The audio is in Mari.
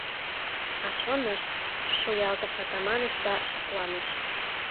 — А чонышт... — шуялтыш Атаманыч да шыпланыш...